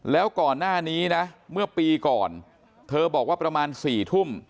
แล้วก่อนหน้านี้นะเมื่อปีก่อนเธอบอกว่าประมาณ๔ทุ่ม